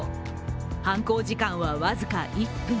犯行時間は僅か１分。